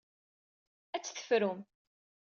Ad tt-tefrum.